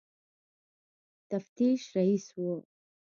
تفتیش رییس وو.